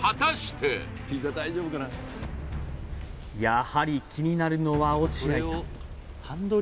やはり気になるのは落合さん